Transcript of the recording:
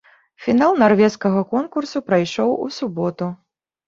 Фінал нарвежскага конкурсу прайшоў у суботу.